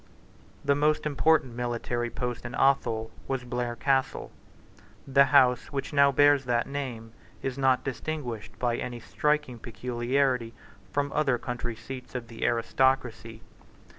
The most important military post in Athol was Blair Castle. The house which now bears that name is not distinguished by any striking peculiarity from other country seats of the aristocracy.